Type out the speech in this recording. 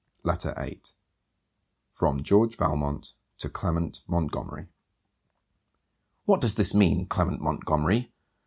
LETTER VIII FROM GEORGE VALMONT TO CLEMENT MONTGOMERY What does this mean, Clement Montgomery?